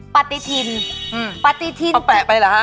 ปฏิทินอืมปฏิทินแปะไปเหรอฮะ